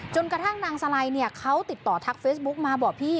กระทั่งนางสไลเนี่ยเขาติดต่อทักเฟซบุ๊กมาบอกพี่